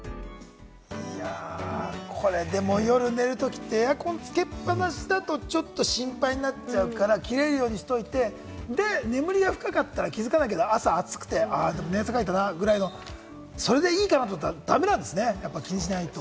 これ、夜寝るときってエアコンつけっぱなしだと、ちょっと心配になっちゃうから切れるようにしておいて、眠りが深かったら気づかないけれども、朝暑くてそれでいいかなって思ったけれども駄目なんですね、気にしないと。